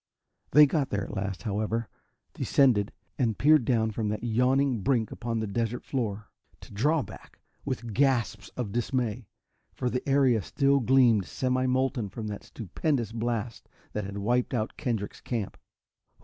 They got there at last, however, descended, and peered down from that yawning brink upon the desert floor to draw back with gasps of dismay. For the area still gleamed semi molten from the stupendous blast that had wiped out Kendrick's camp.